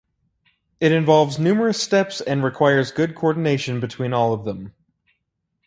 It involves numerous steps and requires good coordination between all of them.